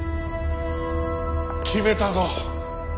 決めたぞ。